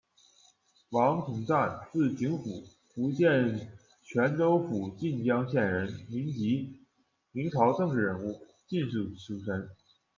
王同赞，字儆甫，福建泉州府晋江县人，民籍，明朝政治人物、进士出身。